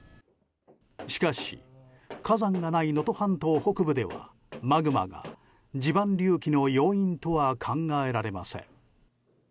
しかし火山がない能登半島北部ではマグマが地盤隆起の要因とは考えられません。